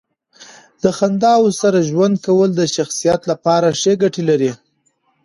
د خنداوو سره ژوند کول د شخصیت لپاره ښې ګټې لري.